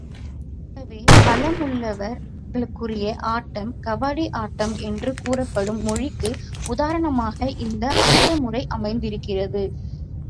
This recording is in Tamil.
ஆகவே, பலமுள்ளவர் களுக்குரிய ஆட்டம் கபாடி ஆட்டம் என்று கூறப்படும் மொழிக்கு உதாரணமாக இந்த ஆட்ட முறை அமைந்திருக்கிறது.